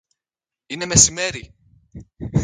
Είναι μεσημέρι!